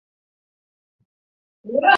乾隆四十三年。